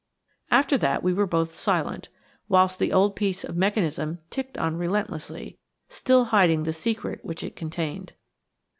After that we were both silent, whilst that old piece of mechanism ticked on relentlessly, still hiding the secret which it contained.